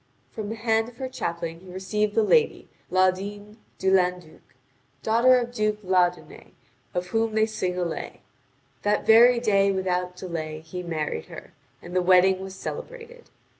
From the hand of her chaplain he received the lady, Laudine de Landuc, daughter of Duke Laudunet, of whom they sing a lay. That very day without delay he married her, and the wedding was celebrated.